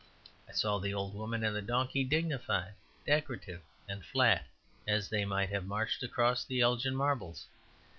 I saw the old woman and the donkey dignified, decorative, and flat, as they might have marched across the Elgin Marbles.